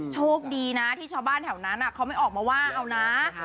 โชคดีนะที่ชาวบ้านแถวนั้นเขาไม่ออกมาว่าเอานะ